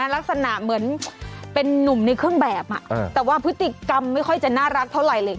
ลักษณะเหมือนเป็นนุ่มในเครื่องแบบแต่ว่าพฤติกรรมไม่ค่อยจะน่ารักเท่าไหร่เลย